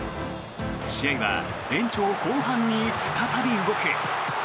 試合は延長後半に再び動く。